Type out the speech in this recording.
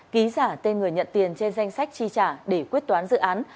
ký giả tên người nhận tiền trên danh sách chi trả để quyết toán dự án